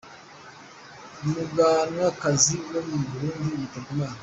Umuganwakazi wo mu Burundi yitabye Imana